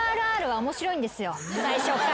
最初っから。